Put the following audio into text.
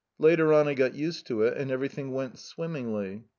Later on I got used to it and every thing went all right.